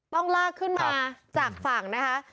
ต้องลากขึ้นมาจากฝั่งนะคะ